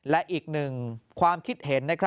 และอีกหนึ่งความคิดเห็น